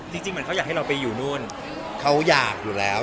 จริงเหมือนเขาอยากให้เราไปอยู่นู่นเขาอยากอยู่แล้ว